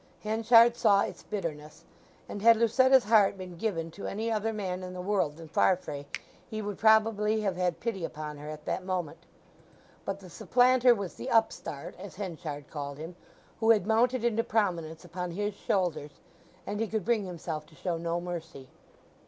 Henchard saw its bitterness; and had Lucetta's heart been given to any other man in the world than Farfrae he would probably have had pity upon her at that moment. But the supplanter was the upstart (as Henchard called him) who had mounted into prominence upon his shoulders, and he could bring himself to show no mercy.